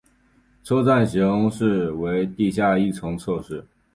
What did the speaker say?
车站型式为地下一层侧式。